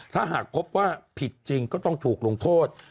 ถ้าหากพบว่าผิดจริงก็ต้องถูกลงโทษ